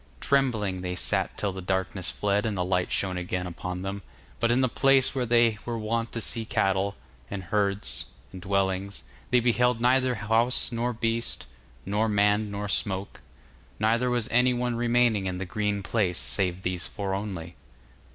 Trembling they sat till the darkness fled and the light shone again upon them, but in the place where they were wont to see cattle, and herds, and dwellings, they beheld neither house nor beast, nor man nor smoke; neither was any one remaining in the green place save these four only.